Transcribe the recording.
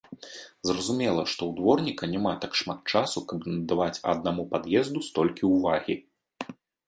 Зразумела, што ў дворніка няма так шмат часу, каб надаваць аднаму пад'езду столькі ўвагі.